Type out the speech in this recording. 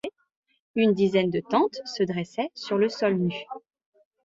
Une dizaine de tentes se dressaient sur le sol nu.